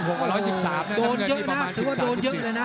โดนเยอะนะถือว่าโดนเยอะเลยนะ